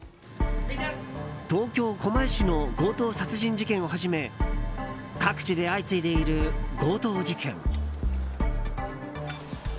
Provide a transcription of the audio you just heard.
東京・狛江市の強盗殺人事件をはじめ各地で相次いでいる強盗事件。